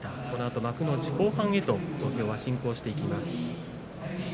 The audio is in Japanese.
このあと幕内後半へと土俵が進行していきます。